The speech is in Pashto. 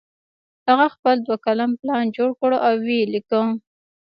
هغه خپل دوه کلن پلان جوړ کړ او ویې لیکه